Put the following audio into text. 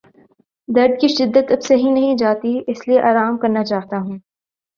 درد کی شدت اب سہی نہیں جاتی اس لیے آرام کرنا چاہتا ہوں